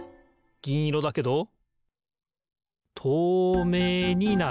ぎんいろだけどとうめいになる。